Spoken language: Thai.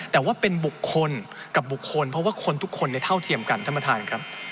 แต่ว่าเป็นบุคคลกับบุคคลเพราะว่าคนทุกคนเนี่ยเท่าเทียมกันท่านประธานครับ